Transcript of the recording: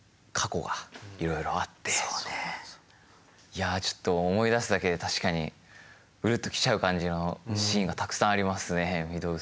いやちょっと思い出すだけで確かにうるっときちゃう感じのシーンがたくさんありますね御堂筋。